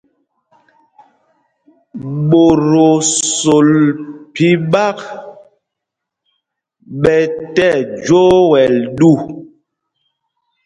Ɓot o sol phī ɓak ɓɛ tí ɛgwoɛl ɗu.